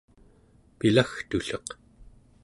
pilagtulleq